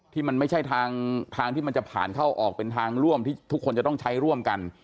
ที่มันไม่ใช่ทางที่มันจะผ่านเข้าออกเป็นทางร่วมที่ทุกคนจะต้องใช้ร่วมกัน